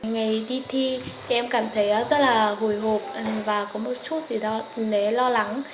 ngày đi thi em cảm thấy rất là hồi hộp và có một chút lo lắng